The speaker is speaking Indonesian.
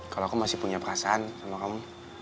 kalau aku masih punya perasaan sama kamu